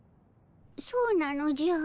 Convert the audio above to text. そうなのじゃ。